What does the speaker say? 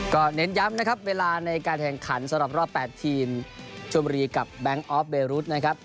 ก็เน้นย้ำนะครับเวลาในการแข่งขันสำหรับรอบ๘ทีมชวนบุรีกับแบงค์ออฟเบรุษนะครับ